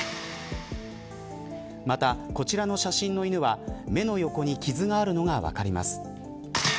また、こちらの写真の犬は目の横に傷があるのが見られます。